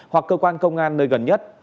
hoặc cơ quan công an nơi gần nhất